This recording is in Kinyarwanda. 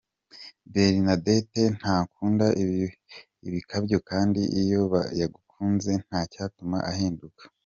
Bernadette ntakunda ibikabyo kandi iyo yagukunze ntacyatuma ahinduka.